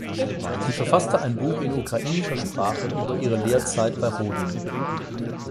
Sie verfasste ein Buch in ukrainischer Sprache über ihre Lehrzeit bei Rodin.